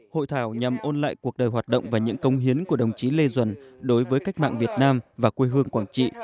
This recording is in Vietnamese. hội thảo nhằm ôn lại cuộc đời hoạt động và những công hiến của đồng chí lê duẩn đối với cách mạng việt nam và quê hương quảng trị